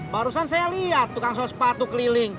barusan saya liat tuh kantor sepatu keliling